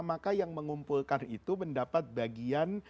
maka yang mengumpulkan itu mendapat bagian